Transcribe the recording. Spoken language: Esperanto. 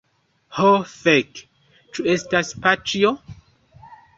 Ho fek, ĉu estas paĉjo?